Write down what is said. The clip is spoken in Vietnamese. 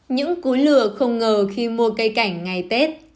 những cú lừa không ngờ khi mua cây cảnh ngày tết